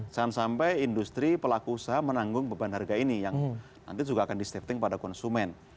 jangan sampai industri pelaku usaha menanggung beban harga ini yang nanti juga akan disefting pada konsumen